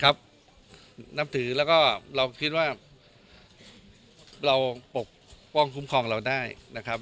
นับถือแล้วก็เราคิดว่าเราปกป้องคุ้มครองเราได้นะครับ